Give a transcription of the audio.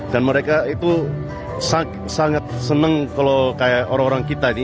dan mereka itu sangat seneng kalau kayak orang orang kita ini